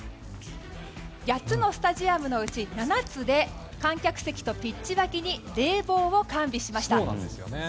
８つのスタジアムのうち７つで観客席とピッチ脇に冷房を完備しました。